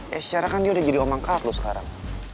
ya secara kan dia udah jadi omangkat lo sekarang